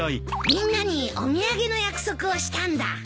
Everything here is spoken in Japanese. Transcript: みんなにお土産の約束をしたんだ。